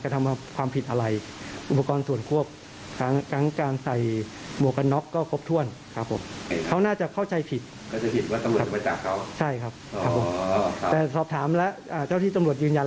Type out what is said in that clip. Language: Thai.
ที่ด้านหลังของรถเขาอีกคันหนึ่ง